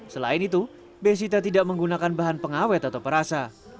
selain itu besita tidak menggunakan bahan pengawet atau perasa